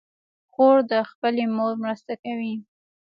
خور د خپلې مور مرسته کوي.